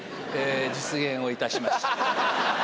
実現をいたしました。